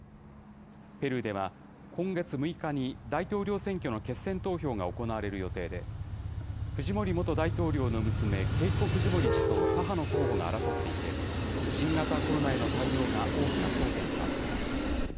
ペルーでは、今月６日に大統領選挙の決選投票が行われる予定で、フジモリ元大統領の娘、ケイコ・フジモリ氏と左派の候補が争っていて、新型コロナへの対応が大きな争点となっています。